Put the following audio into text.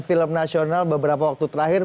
film nasional beberapa waktu terakhir